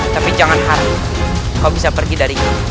tapi jangan harap kau bisa pergi dari kita